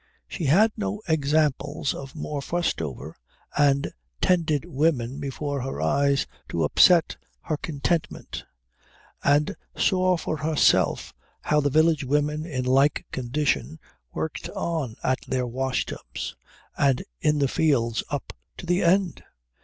She had no examples of more fussed over and tended women before her eyes to upset her contentment, and saw for herself how the village women in like condition worked on at their wash tubs and in the fields up to the end.